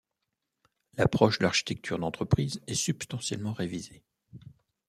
L'approche de l'architecture d'entreprise est substantiellement révisée.